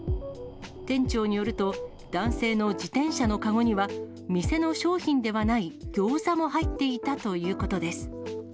店長によると、男性の自転車の籠には、店の商品ではないギョーザも入っていたということです。